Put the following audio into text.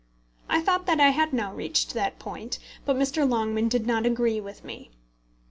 I thought that I had now reached that point, but Mr. Longman did not agree with me.